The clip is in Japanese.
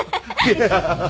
ハハハ！